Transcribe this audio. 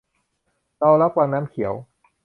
เรารักวังน้ำเขียว